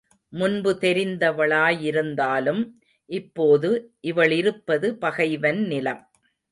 முன்பு தெரிந்த வளாயிருந்தாலும் இப்போது, இவளிருப்பது பகைவன் நிலம்.